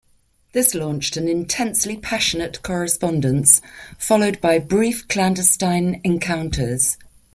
This launched an intensely passionate correspondence, followed by brief clandestine encounters.